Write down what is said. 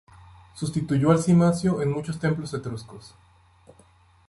Sustituyó al cimacio en muchos templos etruscos.